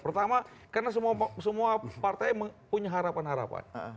pertama karena semua partai punya harapan harapan